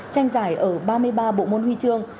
tranh giải ở ba mươi ba bộ môn huy chương